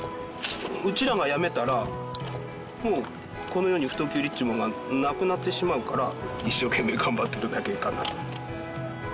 うちらが辞めたらもうこの世に太きゅうりっちゅうもんがなくなってしまうから一生懸命頑張っているだけかな。